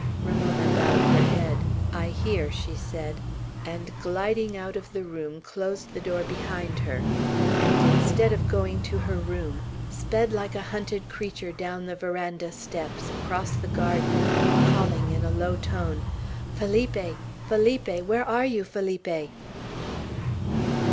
Ramona bowed her head. "I hear," she said; and gliding out of the room, closed the door behind her, and instead of going to her room, sped like a hunted creature down the veranda steps, across the garden, calling in a low tone, "Felipe! Felipe! Where are you, Felipe?"